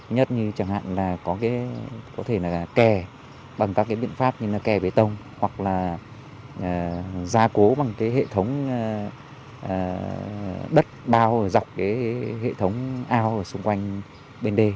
nhất như chẳng hạn có thể kè bằng các biện pháp như kè bế tông hoặc là gia cố bằng hệ thống đất bao dọc hệ thống ao xung quanh bên đê